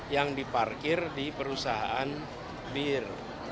yang diparkir di perusahaan bir